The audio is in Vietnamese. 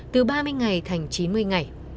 từ ba mươi ngày thành chín mươi ngày